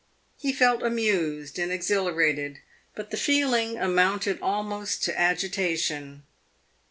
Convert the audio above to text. He felt amused and exhilarated, but the feeling amounted almost to agitation.